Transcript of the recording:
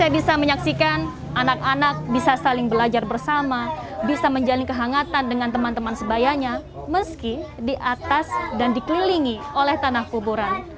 bisa menyaksikan anak anak bisa saling belajar bersama bisa menjalin kehangatan dengan teman teman sebayanya meski di atas dan dikelilingi oleh tanah kuburan